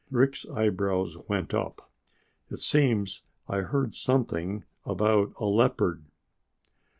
Rick's eyebrows went up. "It seems I heard something about a leopard."